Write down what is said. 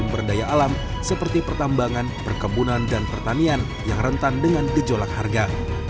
sumber daya alam seperti pertambangan perkebunan dan pertanian yang rentan dengan gejolak harga